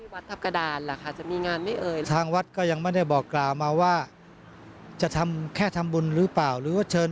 วัดทัพกระดานล่ะค่ะจะมีงานไม่เอ่ยทางวัดก็ยังไม่ได้บอกกล่าวมาว่าจะทำแค่ทำบุญหรือเปล่าหรือว่าเชิญ